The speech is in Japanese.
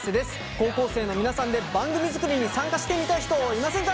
高校生の皆さんで番組作りに参加してみたい人いませんか？